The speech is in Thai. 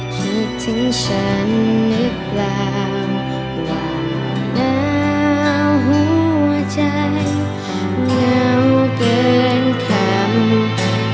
คิดถึงฉันหรือเปล่าว่าหนาวหัวใจเหงาเกินคำ